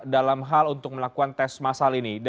dalam hal untuk melakukan tes masal ini